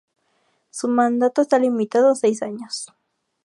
Su mandato está limitado a seis años.